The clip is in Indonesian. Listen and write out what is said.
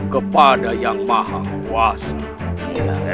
kepada yang maha kuasa